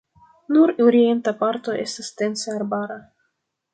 Nur orienta parto estas dense arbara.